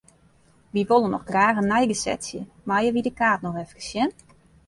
Wy wolle noch graach in neigesetsje, meie wy de kaart noch efkes sjen?